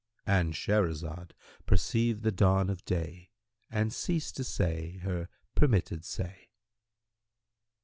"—And Shahrazad perceived the dawn of day and ceased to say her permitted say.